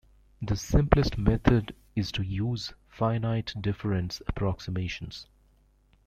The simplest method is to use finite difference approximations.